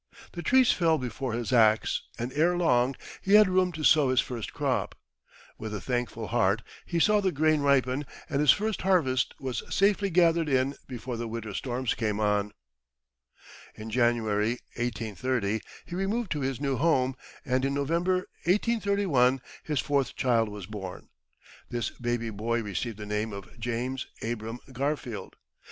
The trees fell before his axe, and ere long he had room to sow his first crop. With a thankful heart he saw the grain ripen, and his first harvest was safely gathered in before the winter storms came on. [Illustration: The trees fell before his axe.] In January 1830 he removed to his new home, and in November 1831 his fourth child was born. This baby boy received the name of James Abram Garfield.